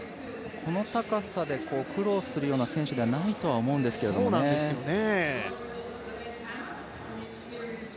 この高さで苦労するような選手ではないと思うんですけどね。